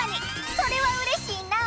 それはうれしいなあ。